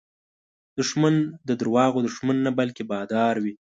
دښمن د دروغو دښمن نه، بلکې بادار وي